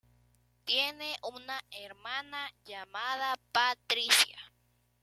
Tiene una hermana llamada Patricia.